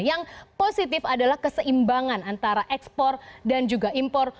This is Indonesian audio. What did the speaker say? yang positif adalah keseimbangan antara ekspor dan juga impor